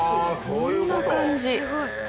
こんな感じ。